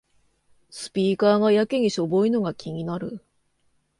スピーカーがやけにしょぼいのが気になる